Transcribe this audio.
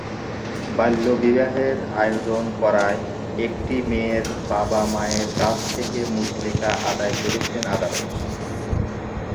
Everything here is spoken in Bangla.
বাল্যবিবাহের আয়োজন করায় একটি মেয়ের বাবা-মায়ের কাছ থেকে মুচলেকা আদায় করেছেন আদালত।